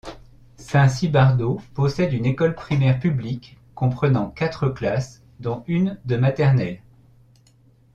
Saint-Cybardeaux possède une école primaire publique comprenant quatre classes, dont une de maternelle.